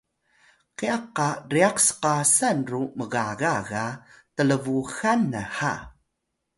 kya qa ryax sqasan ru mgaga ga tlbuxan nha